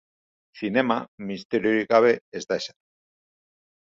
Zinema, misteriorik gabe, ez da ezer.